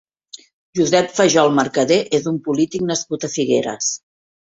Josep Fajol Mercader és un polític nascut a Figueres.